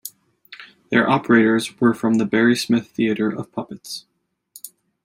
Their operators were from The Barry Smith Theatre of Puppets.